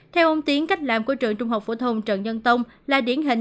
theo ông tiến cách làm của trường trung học phổ thông trần nhân tông là điển hình